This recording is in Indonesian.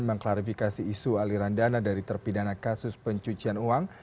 mengklarifikasi isu aliran dana dari terpidana kasus pencucian uang